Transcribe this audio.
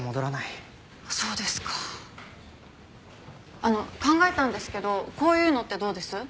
あの考えたんですけどこういうのってどうです？